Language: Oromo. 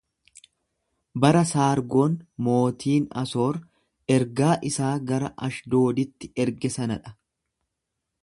Bara Saargon mootiin Asoor ergaa isaa gara Ashdooditti erge sana dha.